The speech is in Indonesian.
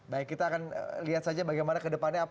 baik kita akan lihat saja bagaimana ke depannya